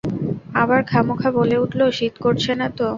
আবার খামকা বলে উঠল, শীত করছে না তো?